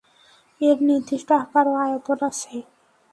এর নির্দিষ্ট আকার ও আয়তন আছে।